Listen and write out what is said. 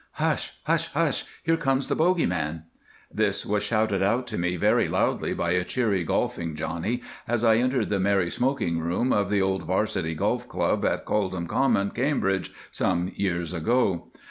"Hush! hush! hush! Here comes the Bogie Man." This was shouted out to me very loudly by a cheery golfing "Johnny," as I entered the merry smoking room of the old 'Varsity Golf Club at Coldham Common, Cambridge, some years ago.